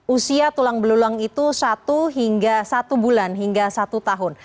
usia tulang belulang itu satu hingga satu bulan hingga satu tahun